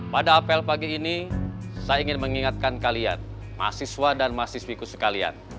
pada apel pagi ini saya ingin mengingatkan kalian mahasiswa dan mahasiswiku sekalian